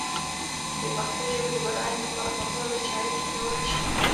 د پښتو ژبې د بډاینې لپاره پکار ده چې اړیکې پیاوړې شي.